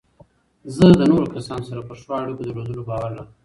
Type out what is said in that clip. زه له نورو کسانو سره پر ښو اړیکو درلودلو باور لرم.